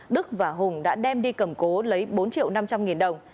đức và hùng đã đem đi cầm cố lấy bốn triệu năm trăm linh nghìn đồng